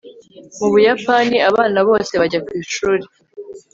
mu buyapani, abana bose bajya ku ishuri